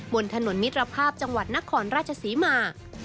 บนถนนมิตรภาพจังหวัดนครราชศรีมา